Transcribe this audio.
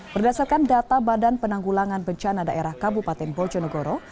berdasarkan data badan penanggulangan bencana daerah kabupaten bojonegoro